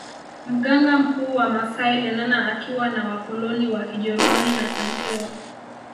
Mganga mkuu wa maasai Lenana akiwa na wakoloni wa kijerumani na Santeu